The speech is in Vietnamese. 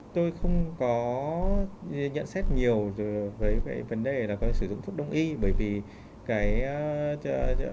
tôi không có nhận xét nhiều về cái vấn đề là có thể sử dụng thuốc đông y bởi vì cái đối với ngay cả đối với bộ y tế thì cũng chỉ có đề xuất là có thể sử dụng chủ yếu là vitamin c